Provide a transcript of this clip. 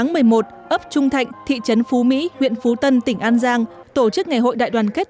ngày một mươi một ấp trung thạnh thị trấn phú mỹ huyện phú tân tỉnh an giang tổ chức ngày hội đại đoàn kết